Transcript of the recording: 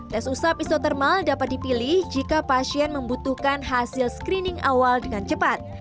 tes usap isotermal dapat dipilih jika pasien membutuhkan hasil screening awal dengan cepat